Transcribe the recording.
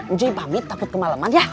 ujui pamit takut kemaleman ya